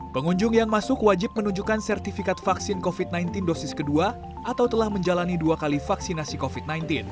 pengunjung yang masuk wajib menunjukkan sertifikat vaksin covid sembilan belas dosis kedua atau telah menjalani dua kali vaksinasi covid sembilan belas